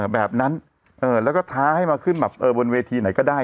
แบบนั้นแล้วก็ท้าให้มาขึ้นแบบบนเวทีไหนก็ได้